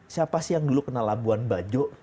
siapa sih yang dulu kenal labuan bajo